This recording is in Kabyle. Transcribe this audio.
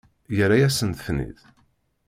Yerra-yasent-ten-id?